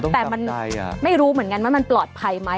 แต่มันไม่รู้เหมือนกันว่ามันปลอดภัยไหม